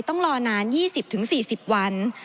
ต้องรอนาน๒๐๔๐วัน